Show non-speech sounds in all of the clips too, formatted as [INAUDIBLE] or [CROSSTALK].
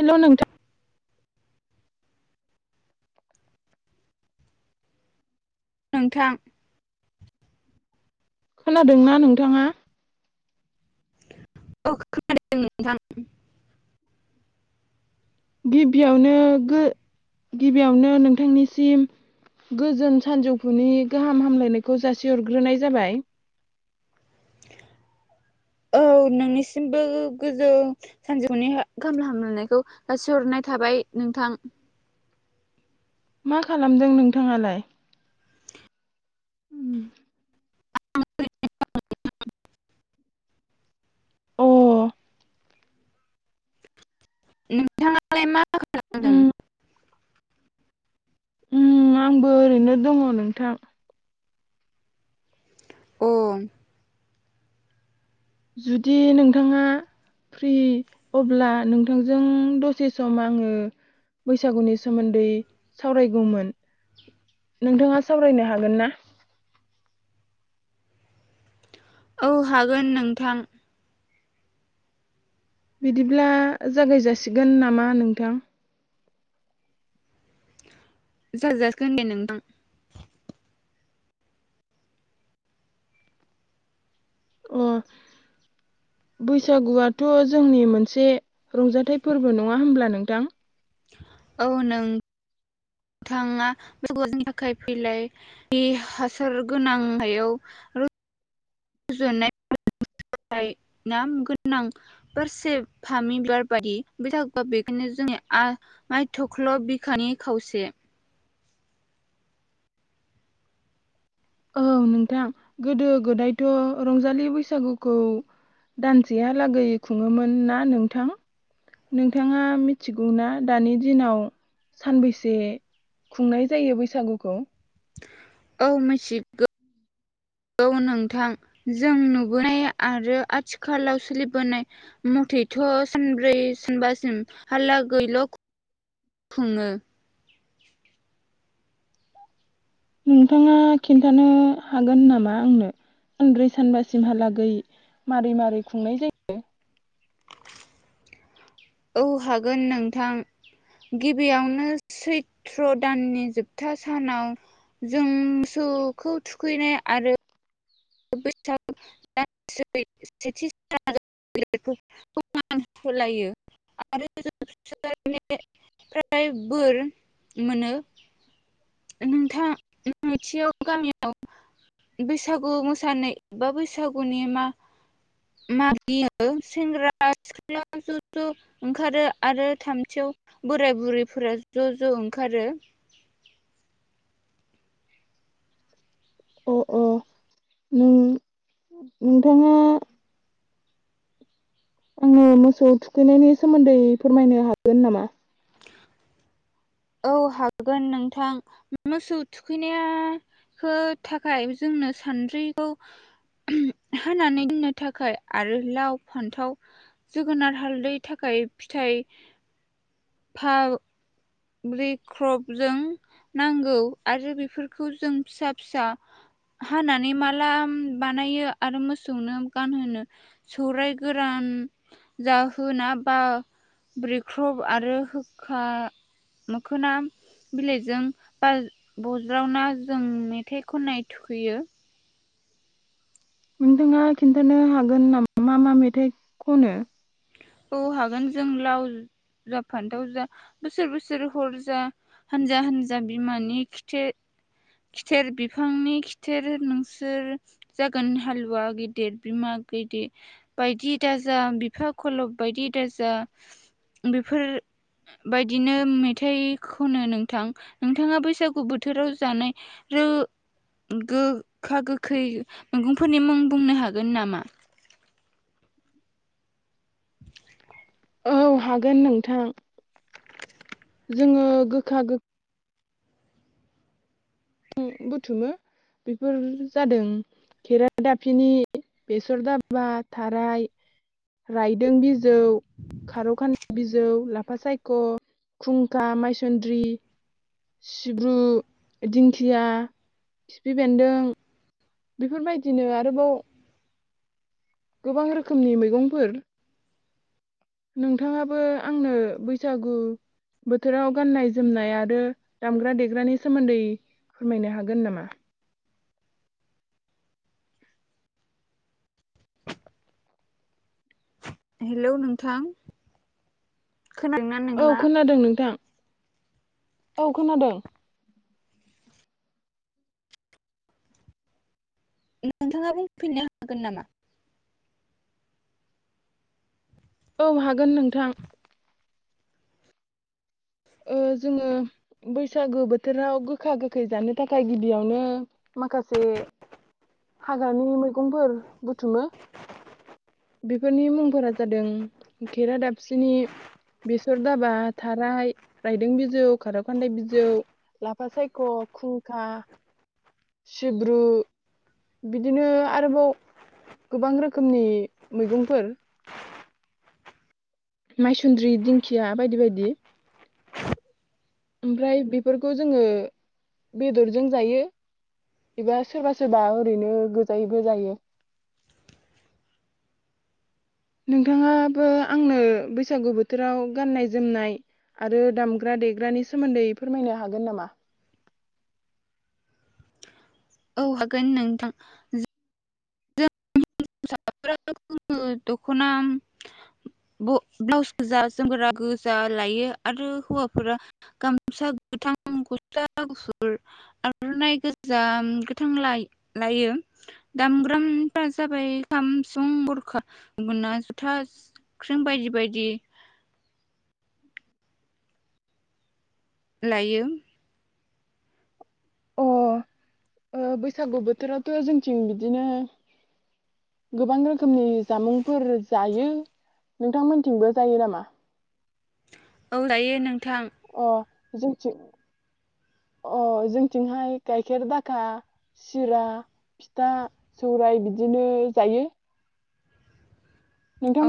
Hello नोंथां नोंथां खोनादोंना नोंथाङा औ खोनादों नोंथां। गिबियावनो गो गिबियावनो नोंथांनिसिम गोजोन सानजौफुनि गाहाम हामलायनायखौ जासिहरग्रोनाय जाबाय औ नोंनिसिमबो गोजों सानजौफुनि खामला हामलायनायखौ जासिहरनाय थाबाय नोंथां। मा खालामदों नोंथाङालाय? अ नोंथाङालाय मा ओ खालामदों ओ आंबो ओरैनो दङ नोंथां। उम जुदि नोंथाङा फ्रि अब्ला नोंथांजों दसे सम आङो बैसागुनि सोमोन्दै सावरायगौमोन नोंथाङा सावरायनो हागोन ना? औ हागोन नोंथां। बिदिब्ला जागाय जासिगोन नामा नोंथां? जागाय जासिगोन दे नोंथां। अ बैसागुआथ' जोंनि मोनसे रंजाथाइ फोरबो नङा होमब्ला नोंथां औ नों नोंथाङा बैसागु आ जोंनि थाखाय फैलाय बे हासार गोनां हायाव र रजानाय [UNINTELLIGIBLE] गोनां बारसे फामि बिबार बादि बैसागु आ बेखायनो जोंनि आमाइथख्ल' बिखानि खावसे औ नोंथां गोदो गोदायथ' रंजालि बैसागुखौ दानसेहालागै खुङोमोन ना नोंथां नोंथाङा मिथिगौ ना दानि दिनाव सानबैसे खुंनाय जायो बैसागुखौ? औ मिथिगौ नोंथां जों नुबोनाय आरो आथिखालाव सोलिबोनाय मथेथ' सानब्रै सानबासिम हालागैल' खुङो। नोंथाङा खिनथानो हागोन नामा आंनो सानब्रै सानबासिमहालागै मारै मारै खुंनाय जायो? औ हागोन नोंथां गिबियावनो सैत्र दाननि जोबथा सानाव जों मोसौखौ थुखैनाय आरो [UNINTELLIGIBLE] बोर मोनो नोंथां नैथियाव गामियाव बैसागो मो साननै एबा बैसागुनि मा मागियो सेंग्रा सिख्ला ज' ज' ओंखारो आरो थामथियाव बोराय बुरैफोरा ज' ज' ओंखारो अ अ नों नोंथांङा आंनो मोसौ थुखैनायनि सोमोन्दै फोरमायनो हागोन नामा? औ हागोन नोंथां मोसौ थुखैनाया खौ थाखाय जोंनो सान्द्रिखौ होनानै दोननो थाखाय आरो लाव फान्थाव जोगोनार हालदै थाखाय फिथाइ फा ब्रेक्रपजों नांगौ आरो बेफोरखौ जों फिसा फिसा हानानै माला बानायो आरो मोसौनो गानहोनो सौराय गोरान जाहोना बा ब्रेक्रप आरो होखा मोखोना बिलाइजों बा बज्रावना जों मेथाइ खननाय थुखैयो। नोंथांङा खिन्थानो हागोन नामा मा मा मेथाइ खनो? औ हागोन जों लाव जा फान्थाव जा बोसोर बोसोर हर जा हानजा हान्जा बिमानि खिथेर खिथेर बिफांनि खिथेर नोंसोर जागोन हालुवा गेदेर बिमा गैदेर बायदि दाजा बिफा खलब बायदि दाजाया बेफोरबायदिनो मेथाइ खनो नोंथां नोंथांङा बैसागु बोथोराव जानाय ओ गोखा गोखै मैगंफोरनि मुं बुंनो हागोन नामा? औ हागोन नोंथां। जोंङो गोखा गो बुथुमो बेफोर जादों खेरादाफिनि बेसर दाबा थाराय रायदों बिज बिजौ खारौखानि बिजौ ला लाफा सायख' खुंखा माइसन्द्रि सिब्रु, दिंखिया, खिफि बेन्दों, बेफोर बायदिनो आरोबाव गोबां रोखोमनि मैगंफोर नोंथांङाबो आंनो बैसागु बोथोराव गाननाय - जोमनाय आरो दामग्रा - देग्रानि सोमोन्दै फोरमायनो हागोन नामा? हेलौ नोंथां खोनादोंना औ नोंथाङा? खोनादों नोंथां औ खोनादों नोंथांङा बुंफिननो हागोन नामा? औ हागोन नोंथां ओ जोंङो बैसागु बोथोराव गोखा - गोखै जानो थाखाय गिबियावनो माखासे हाग्रानि मैगंफोर बुथुमो बेफोरनि मुंफोरा जादों खेरादाफिनि, बेसर दाबा, थाराय रायदों बिजौ, खारौ खान्दाय बिजौ, लाफा सायख', खुंखा, सिब्रु, बिदिनो आरोबाव गोबां रोखोमनि मैगंफोर माइसुन्द्रि, दिंखिया बायदि बायदि। ओमफ्राय बेफोरखौ जोंङो बेदरजों जायो एबा सोरबा सोरबा ओरैनो गोजायैबो जायो। नोंथांङाबो आंनो बैसागु बोथोराव गाननाय - जोमनाय आरो दामग्रा - देग्रानि सोमोन्दै फोरमायनो हागोन नामा? औ हागोन नोंथां जों [UNINTELLIGIBLE] दख'ना ब्लाउस गोजा जोमगोरा गोजा लायो आरो हौवाफोरा गामसा गोथां गुसला गुफुर आर'नाइ गोजा गोथां ला लायो दामग्रामफोरा जाबाय - खाम सुं बरखा गना जुथा ख्रों बायदि बायदि। लायो। अ ओ बैसागु बोथोरावथ' जोंथिं बिदिनो गोबां रोखोमनि जामुंफोर जायो। नोंथांमोनथिंबो जायो नामा? औ जायो नों थां अ जोंथिं अ जोंथिंहाय गाइखेर दाखा सिरा फिथा सौराय बिदिनो जायो।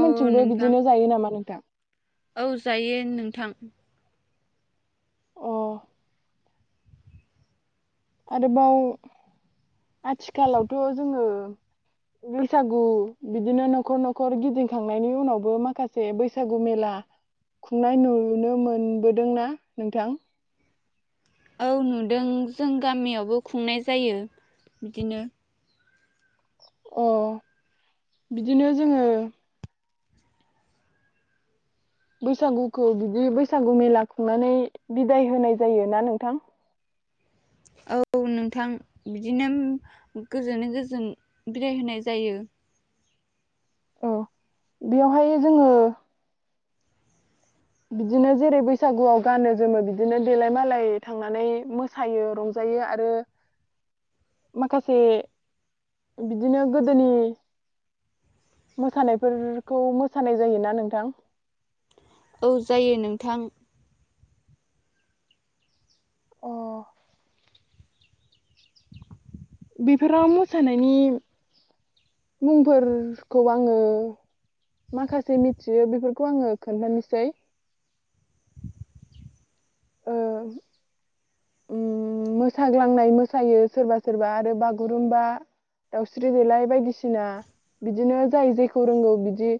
औ थिंबो नोंथां बिदिनो जायो नामा? नोंथां औ जायो नोंथां अ आरोबाव आथिखालावथ' जोंङो बैसागु बिदिनो न'खर न'खर गिदिंखांनायनि उनावबो माखासे बैसागु मेला खुंनाय नुनो मोनबोदोंना नोंथां औ नुदों जों गामियावबो खुंनाय जायो बिदिनो अ बिदिनो जोंङो बैसागुखौ बिदि बैसागु मेला खुंनानै बिदाय होनाय जायो ना नोंथां औ नोंथां बिदिनो गोजोनै गोजोन बिदाय होनाय जायो। औ बेवहाय जोंङो बिदिनो जेरै बैसागुआव गानो जोमो बिदिनो देलाय मालाय थांनानै मोसायो रंजायो आरो माखासे बिदिनो गोदोनि मोसानायफोरखौ मोसानाय जायोना नोंथां औ जायो नोंथां अ बेफोराव मोसानायनि मुंफोरखौ आङो माखासे मिथियो बेफोरखौ आङो खोन्थानोसै ओ उम मोसाग्लांनाय मोसायो सोरबा सोरबा आरो बागुरुम्बा दाउस्रि देलाय बायदिसिना बिदिनो जाय जेखौ रोंगौ बिदि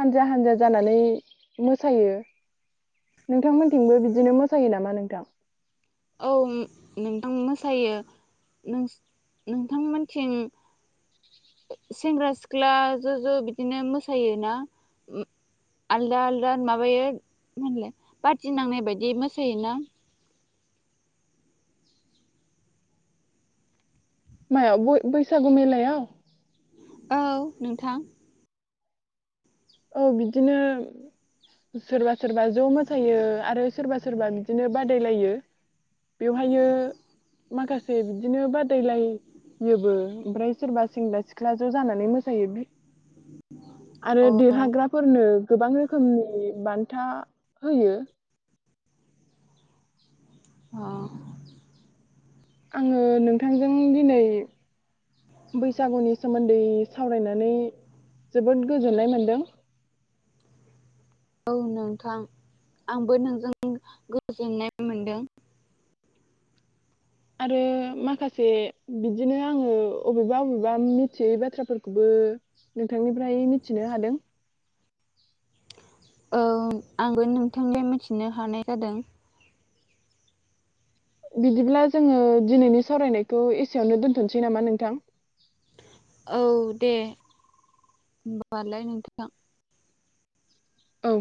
हानजा हानजा जानानै मोसायो नोंथांमोनथिंबो बिदिनो मो सायो नामा नोंथां औ नोंथां मोसायो नोंस नोंथांमोनथिं सेंग्रा सिख्ला ज' ज' बिदिनो मोसायोना उम आलदा आलदा माबायो माहोनलाय बादि नांनाय बायदि मोसायोना मायाव बय बैसागु मेलायाव औ नोंथां औ बिदिनो सोरबा सोरबा ज' मोसायो आरो सोरबा सोरबा बिदिनो बादायलायो बेवहायो माखासे बिदिनो बादायलायोबो ओमफ्राय सोरबा सेंग्रा सिख्ला ज' जानानै मोसायो बि अ ग्राफोरनो गोबां रोखोमनि बान्था होयो अ आङो नोंथांजों दिनै बैसागुनि सोमोन्दै सावरायनानै जोबोद गोजोननाय मोनदों औ नोंथां आंबो नोंजों गोजोननाय मोनदों आरो माखासे बिदिनो आङो अबेबा अबेबा मिथियै बाथ्राफोरखौबो नोंथांनिफ्राय मिथिनो हादों औ आंबो नोंथांनि मिथिनो हानाय जादों बिदिब्ला जोङो दिनैनि सावरायनायखौ एसेयावनो दोनथ'नोसै नामा नोंथां औ दे होनबालाय नोंथां औ